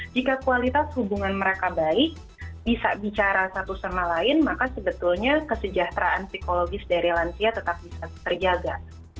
jika kualitas hubungan mereka baik bisa bicara satu sama lain maka sebetulnya kesejahteraan psikologis dari lansia tetap bisa terjaga